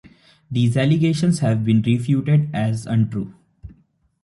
These allegations have been refuted as untrue.